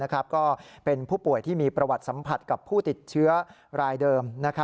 ก็เป็นผู้ป่วยที่มีประวัติสัมผัสกับผู้ติดเชื้อรายเดิม